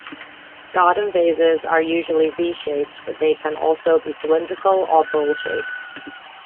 Garden vases are usually V-shaped but they can also be cylindrical or bowl-shaped.